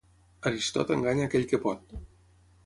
Aristot enganya aquell que pot.